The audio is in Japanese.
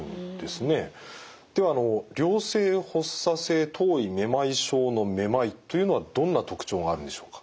ではあの良性発作性頭位めまい症のめまいというのはどんな特徴があるんでしょうか？